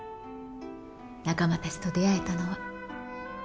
仲間たちと出会えたのは。